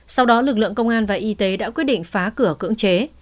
sau đó lực lượng công an và y tế đã quyết định phá cửa cưỡng chế